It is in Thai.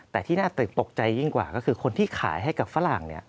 แต่ที่น่าตื่นตกใจยิ่งกว่าก็คือคนที่ขายให้กับฝรั่ง